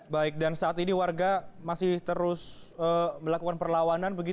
baik dan saat ini warga masih terus melakukan perlawanan